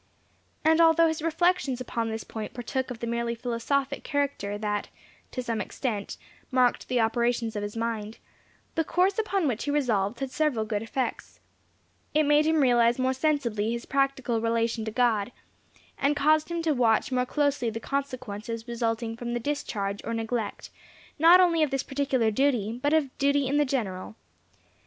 And although his reflections upon this point partook of the merely philosophic character that, to some extent, marked the operations of his mind, the course upon which he resolved had several good effects; it made him realize more sensibly his practical relation to God, and caused him to watch more closely the consequences resulting from the discharge or neglect not only of this particular duty, but of duty in the general.